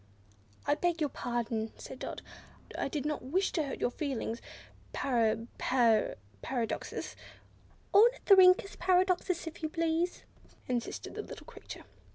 "I beg your pardon," said Dot; "I did not wish to hurt your feelings, Para—Pa—ra—dox—us." "Ornithorhynchus Paradoxus, if you please," insisted the little creature.